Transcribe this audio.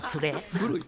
古い。